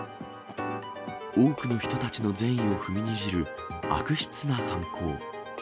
多くの人たちの善意を踏みにじる悪質な犯行。